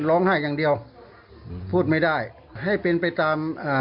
ร้องไห้อย่างเดียวพูดไม่ได้ให้เป็นไปตามอ่า